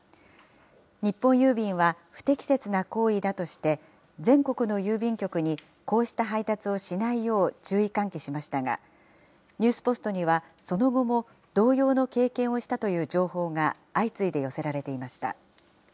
日本郵便は不適切な行為だとして、全国の郵便局にこうした配達をしないよう注意喚起しましたが、ニュースポストには、その後も同様の経験をしたという情報が相次いで寄せられていました。